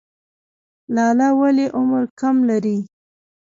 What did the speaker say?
لاله ولې عمر کم لري؟